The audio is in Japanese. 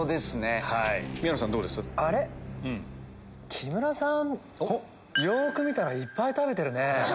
木村さんよく見たらいっぱい食べてるね。